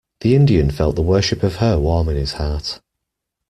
The Indian felt the worship of her warm in his heart.